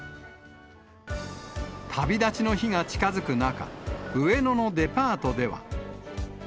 旅立ちの日が近づく中、上野のデパートでは。